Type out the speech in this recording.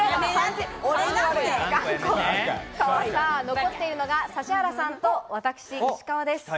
残っているのが、指原さんと私、石川です。